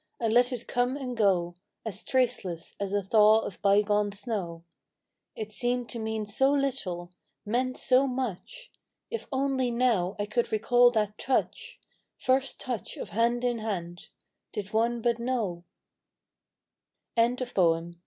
I let it come and go As traceless as a thaw of bygone snow ; It seemed to mean so little, meant so much; If only now I could recall that touch, First touch of hand in hand — Did one but know CHRISTMAS EVE.